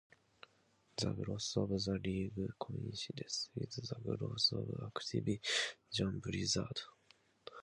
The growth of the league coincides with the growth of Activision Blizzard.